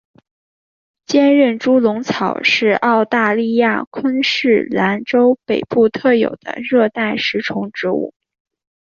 坚韧猪笼草是澳大利亚昆士兰州北部特有的热带食虫植物。